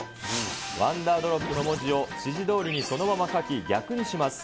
ＷｏｎｄｅｒＤｒｏｐの文字を指示どおりにそのまま書き、逆にします。